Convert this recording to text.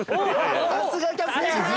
・さすがキャプテン！